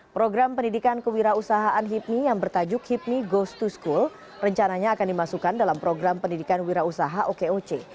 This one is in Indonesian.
program pendidikan kewirausahaan hipmi yang bertajuk hipmi ghost to school rencananya akan dimasukkan dalam program pendidikan wira usaha okoc